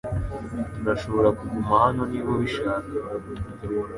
Turashobora kuguma hano niba ubishaka .